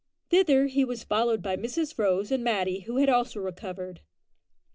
Thither he was followed by Mrs Rose and Matty, who had also recovered.